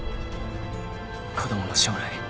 子供の将来